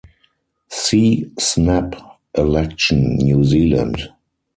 See Snap election, New Zealand.